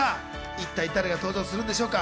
一体、誰が登場するんでしょうか。